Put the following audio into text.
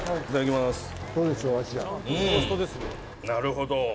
なるほど。